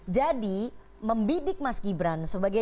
jadi membidik mas gibran sebagai